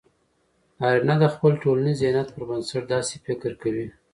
نارينه د خپل ټولنيز ذهنيت پر بنسټ داسې فکر کوي